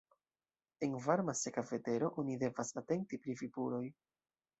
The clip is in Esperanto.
En varma, seka vetero oni devas atenti pri vipuroj.